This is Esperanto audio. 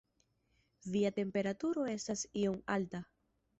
Via temperaturo estas iom alta.